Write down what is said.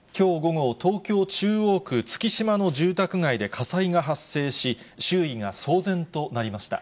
きょう午後、東京・中央区月島の住宅街で火災が発生し、周囲が騒然となりました。